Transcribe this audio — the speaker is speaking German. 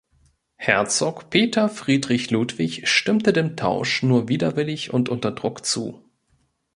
Herzog Peter Friedrich Ludwig stimmte dem Tausch nur widerwillig und unter Druck zu.